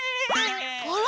あら？